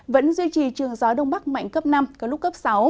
vẫn duy trì trường gió đông bắc mạnh cấp năm có lúc cấp sáu